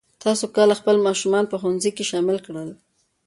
تاسو کله خپل ماشومان په ښوونځي کې شامل کړل؟